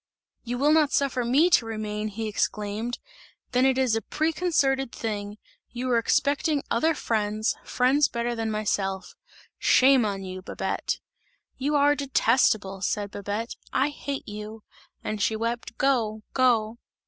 "You will not suffer me to remain," he exclaimed, "then it is a preconcerted thing! You were expecting other friends, friends better than myself; shame on you, Babette!" "You are detestable," said Babette, "I hate you!" and she wept. "Go! Go!"